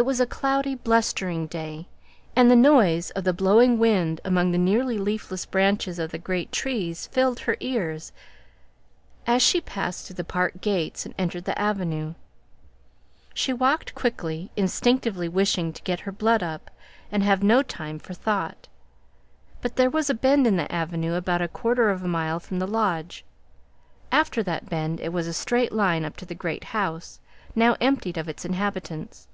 It was a cloudy, blustering day, and the noise of the blowing wind among the nearly leafless branches of the great trees filled her ears, as she passed through the park gates and entered the avenue. She walked quickly, instinctively wishing to get her blood up, and have no time for thought. But there was a bend in the avenue about a quarter of a mile from the lodge; after that bend it was a straight line up to the great house, now emptied of its inhabitants.